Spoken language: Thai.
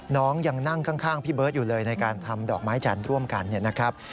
น้องยังนั่งข้างพี่เบิร์ตอยู่เลยในการทำดอกไม้จันทร์ร่วมกันเนี่ยนะครับ